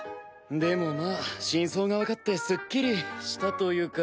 でもまあ真相が分かってすっきりしたというか。